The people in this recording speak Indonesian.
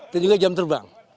dan juga jam terbang